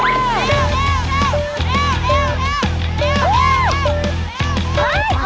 เร็วเร็วเร็ว